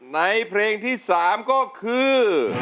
ในเพลงที่๓ก็คือ